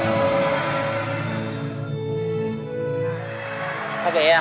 ภูมิใจที่จะแล้ว